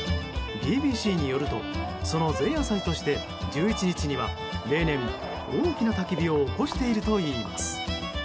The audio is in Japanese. ＢＢＣによるとその前夜祭として１１日には例年、大きなたき火を起こしているといいます。